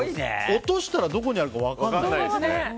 落としたらどこにあるか分からない。